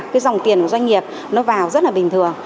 cái dòng tiền của doanh nghiệp nó vào rất là bình thường